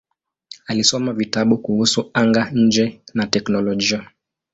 Alisoma vitabu kuhusu anga-nje na teknolojia.